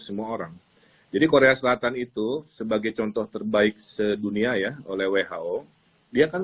semua orang jadi korea selatan itu sebagai contoh terbaik sedunia ya oleh who dia kan